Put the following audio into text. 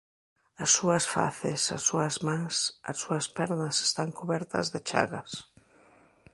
As súas faces, as súas mans, as súas pernas están cubertas de chagas.